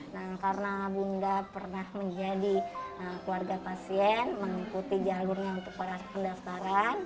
nah karena bunda pernah menjadi keluarga pasien mengikuti jalurnya untuk para pendaftaran